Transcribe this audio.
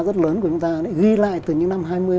rất lớn của chúng ta ghi lại từ những năm